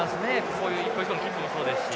こういう一個一個のキックもそうですし。